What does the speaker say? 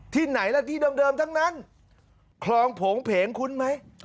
ที่ไหนล่ะที่เดิมทั้งนั้นคลองโผงเพงคุ้นไหม